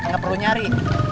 gak perlu nyari